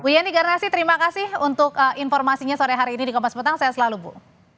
bu yeni garnasi terima kasih untuk informasinya sore hari ini di kompas petang saya selalu bu